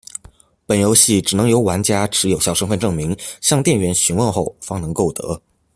本游戏只能由玩家持有效身份证明向店员询问后方能购得。